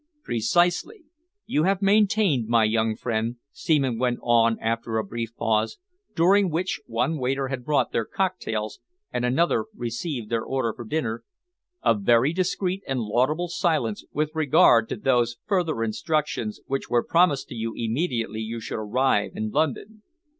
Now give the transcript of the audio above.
"Precisely! You have maintained, my young friend," Seaman went on after a brief pause, during which one waiter had brought their cocktails and another received their order for dinner, "a very discreet and laudable silence with regard to those further instructions which were promised to you immediately you should arrive in London.